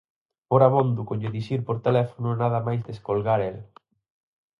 Fora abondo con lle dicir por teléfono nada máis descolgar el: